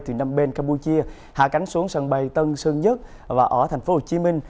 từ năm bên campuchia hạ cánh xuống sân bay tân sơn nhất và ở tp hcm